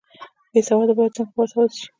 بې سواده باید څنګه باسواده شي؟